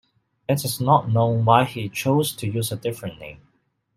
It is not known why he chose to use a different name.